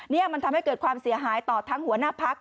นี่มันทำให้เกิดความเสียหายต่อทั้งหัวหน้าพัก